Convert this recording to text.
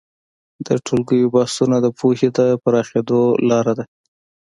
د ټولګیو بحثونه د پوهې د پراخېدو لاره ده.